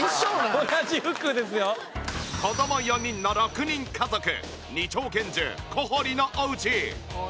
子ども４人の６人家族２丁拳銃小堀のお家。